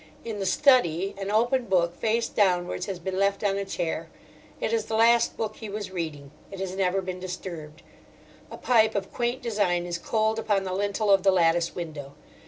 In the "study" an open book, face downwards, has been left on a chair. It is the last book he was reading—it has never been disturbed. A pipe of quaint design is cold upon the lintel of the lattice window.